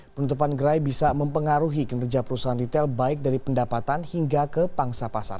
penutupan gerai bisa mempengaruhi kinerja perusahaan retail baik dari pendapatan hingga ke pangsa pasar